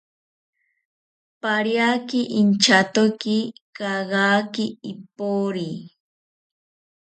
Pariaki inchatoki kagaki ipori